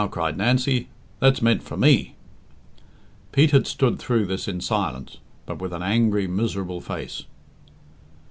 cried Nancy, "that's meant for me." Pete had stood through this in silence, but with an angry, miserable face.